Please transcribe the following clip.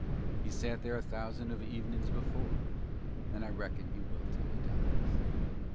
He's sat there a thousand of evenin's before And I reckon he will till he dies.